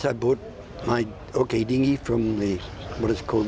พี่บ่ายร่วมพูดถ้าถ้าพ่อเองเข้าพวกโอเครีดงี